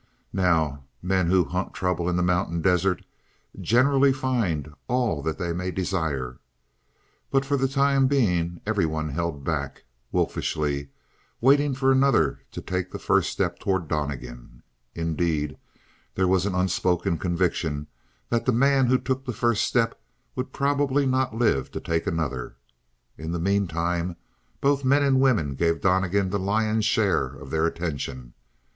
Now, men who hunt trouble in the mountain desert generally find all that they may desire, but for the time being everyone held back, wolfishly, waiting for another to take the first step toward Donnegan. Indeed, there was an unspoken conviction that the man who took the first step would probably not live to take another. In the meantime both men and women gave Donnegan the lion's share of their attention.